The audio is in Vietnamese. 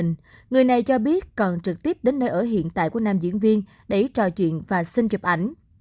người này cho biết còn trực tiếp đến nơi ở hiện tại của nam diễn viên để trò chuyện và xin chụp ảnh